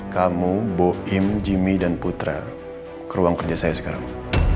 kamu bo im jimmy dan putra ke ruang kerja saya sekarang